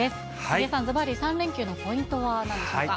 杉江さん、ずばり３連休のポイントはなんでしょうか。